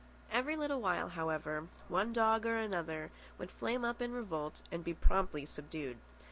Every little while, however, one dog or another would flame up in revolt and be promptly subdued.